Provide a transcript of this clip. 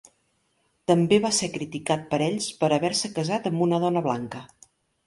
També va ser criticat per ells per haver-se casat amb una dona blanca.